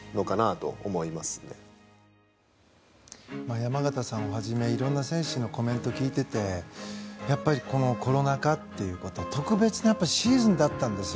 山縣さんをはじめいろんな選手のコメントを聞いていてやっぱり、コロナ禍ということで特別なシーズンだったんですよ。